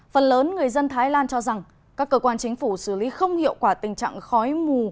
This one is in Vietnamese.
phần lớn người dân thái lan cho rằng các cơ quan chính phủ xử lý không hiệu quả tình trạng khói mù